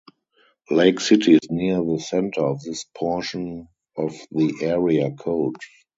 Lake City is near the center of this portion of the area code.